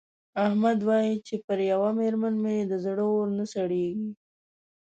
احمد وايې چې پر یوه مېرمن مې د زړه اور نه سړېږي.